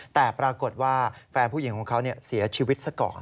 แต่ปรากฏว่าแฟนผู้หญิงของเขาเสียชีวิตซะก่อน